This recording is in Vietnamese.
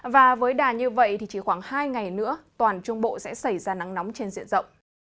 và với đà như vậy thì chỉ khoảng hai ngày nữa toàn trung bộ sẽ xảy ra nắng nóng trên diện rộng